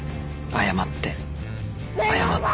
［謝って］